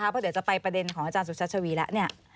เพราะเดี๋ยวจะไปประเด็นของอาจารย์สุชัชวีแล้ว